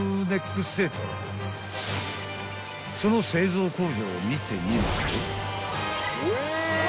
［その製造工場を見てみると］